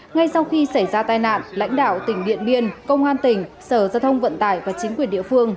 ngay sau khi xảy ra tai nạn lãnh đạo tỉnh điện biên công an tỉnh sở giao thông vận tải và chính quyền địa phương